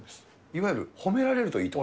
いわゆる褒められるといい？